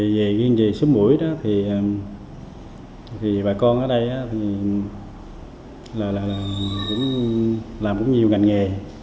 về riêng về sớm mũi đó thì bà con ở đây là cũng làm cũng nhiều ngành nghề